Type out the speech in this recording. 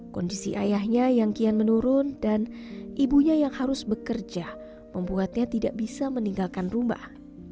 kondisi ayahnya yang kian menurun dan ibunya yang harus bekerja membuatnya tidak bisa meninggalkan rumah